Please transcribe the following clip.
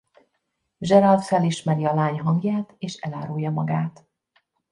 Gerald felismeri a lány hangját és elárulja magát.